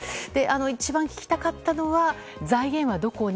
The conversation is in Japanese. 一番聞きたかったのは財源はどこに？